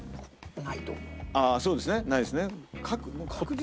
ああそうですねないですね。